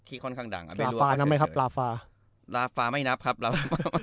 ที่ค่อนข้างดังดีเลยราฟ้ากับราฟ้าไม่นับครับราฟ้า